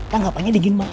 tanggapannya digin malu